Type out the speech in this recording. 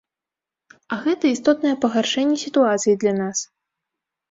А гэта істотнае пагаршэнне сітуацыі для нас.